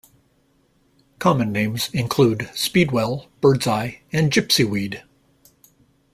Common names include speedwell, bird's eye, and gypsyweed.